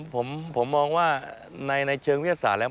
ผมมองว่าในเชิงวิทยาศาสตร์แล้ว